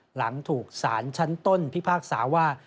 หลังถูกสารชั้นต้นพิพากษาว่า